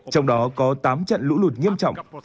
trong đó có tám trận lũ lụt nghiêm trọng